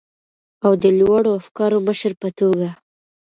او د لوړو افکارو مشر په توګه،